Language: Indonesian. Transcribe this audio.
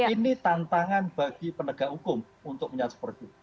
ini tantangan bagi penegak hukum untuk menyatu perjuang